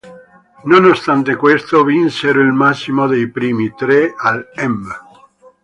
Nonostante questo, vinsero il massimo dei premi, tre, al "M!